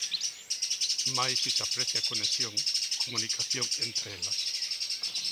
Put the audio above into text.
Mais si se aprecia conexión, comunicación, entre elas.